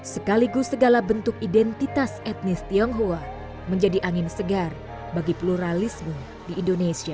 sekaligus segala bentuk identitas etnis tionghoa menjadi angin segar bagi pluralisme di indonesia